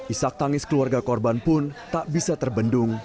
isak tangis keluarga korban pun tak bisa terbendung